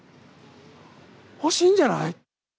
欲しいんじゃない？